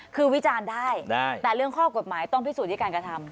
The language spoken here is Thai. คือวิจารณ์ได้แต่เรื่องข้อกฎหมายต้องพิสูจนที่การกระทำ